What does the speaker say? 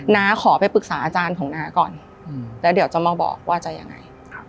น้าขอไปปรึกษาอาจารย์ของน้าก่อนแล้วเดี๋ยวจะมาบอกว่าจะยังไง